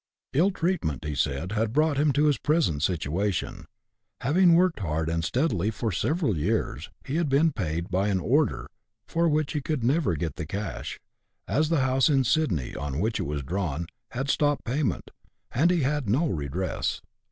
Ill treatment, he said, had brought him to his present situation. Having worked hard and steadily for several years, he had been paid by an " order," for which he could never get the cash, as the house in Sydney, on which it was drawn, had stopped pay ment, and he had no redress.